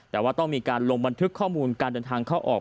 แต่ว่าต้องมีการลงบันทึกข้อมูลการเดินทางเข้าออก